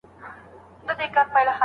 د ناوړو پريکړو تصميم نيسي.